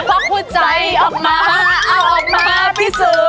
พรรค์ผู้ใจออกมาหาออกมาติสืน